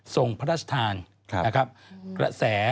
ส่งพระราชทานแหละแฝ